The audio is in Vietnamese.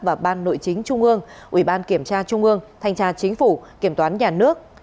và ban nội chính trung ương ủy ban kiểm tra trung ương thanh tra chính phủ kiểm toán nhà nước